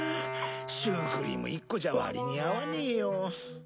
シュークリーム１個じゃ割に合わねえよ。